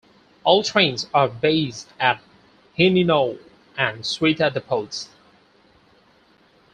All trains are based at Hineno and Suita Depots.